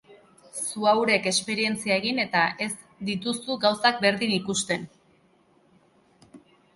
Zuhaurek esperientzia egin eta ez dituzu gauzak berdin ikusten.